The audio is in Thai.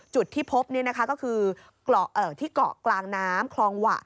จุดที่พบก็คือที่เกาะกลางน้ำคลองหวะ